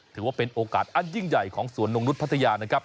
ถือว่าเป็นโอกาสอันยิ่งใหญ่ของสวนนงนุษย์พัทยานะครับ